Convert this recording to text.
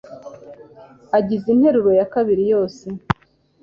agize interuro yakabiri yose